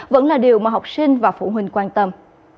vẫn là điều mà học sinh và phụ huynh quan tâm